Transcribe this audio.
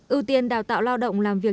ưu tiên đào tạo lao động làm việc